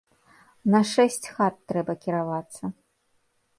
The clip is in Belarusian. На шэсць хат трэба кіравацца.